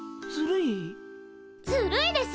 ずるいです！